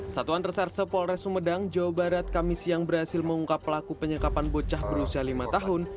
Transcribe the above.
satuan reserse polres sumedang jawa barat kami siang berhasil mengungkap pelaku penyekapan bocah berusia lima tahun